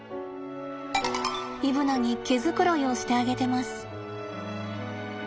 イブナに毛繕いをしてあげてます。